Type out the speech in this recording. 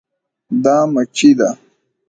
دا مچي ده